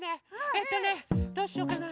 えっとねどうしようかな？